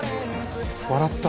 笑った。